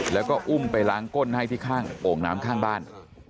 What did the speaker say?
แล้วก็อุ้มไปล้างก้นให้ที่ข้างโอ่งน้ำข้างบ้าน